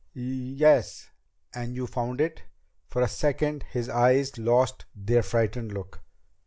"Y yes. And you found it!" For a second his eyes lost their frightened look.